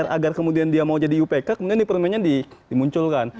agar kemudian dia mau jadi iupk kemudian di permennya dimunculkan